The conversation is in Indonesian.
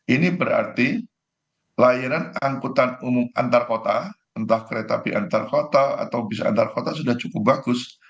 ini berarti layanan angkutan umum antar kota entah kereta api antar kota atau bisa antar kota sudah cukup bagus